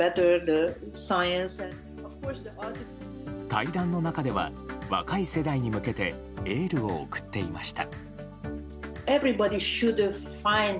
対談の中では若い世代に向けてエールを送っていました。